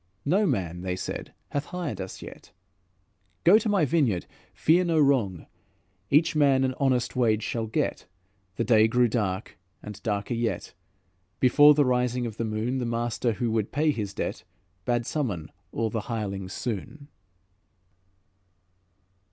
'No man,' they said, 'hath hired us yet.' 'Go to my vineyard, fear no wrong; Each man an honest wage shall get.' The day grew dark and darker yet, "Before the rising of the moon; The master who would pay his debt, Bade summon all the hirelings soon."